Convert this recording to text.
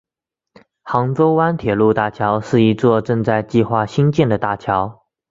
杭州湾铁路大桥是一座正在计划兴建的大桥。